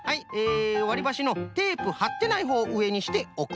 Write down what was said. わりばしのテープはってないほうをうえにしておく。